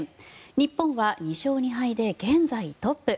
日本は２勝２敗で現在トップ。